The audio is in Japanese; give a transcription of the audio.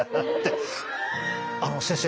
あの先生